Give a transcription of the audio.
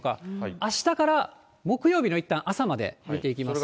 あしたから木曜日のいったん朝まで見ていきますと。